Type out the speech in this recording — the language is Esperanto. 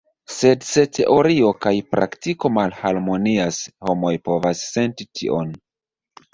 Sed se teorio kaj praktiko malharmonias, homoj povas senti tion.